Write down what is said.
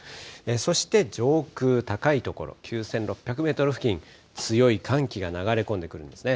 そして上空高い所、９６００メートル付近、強い寒気が流れ込んでくるんですね。